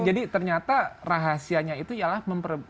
jadi ternyata rahasianya itu ialah